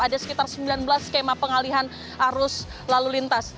ada sekitar sembilan belas skema pengalihan arus lalu lintas